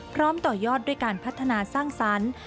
ต่อยอดด้วยการพัฒนาสร้างสรรค์